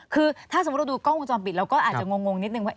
คือถ้าสมมุติเราดูกล้องวงจรปิดเราก็อาจจะงงนิดนึงว่า